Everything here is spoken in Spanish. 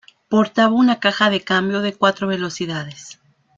Portaba una caja de cambios de cuatro velocidades.